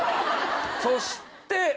そして。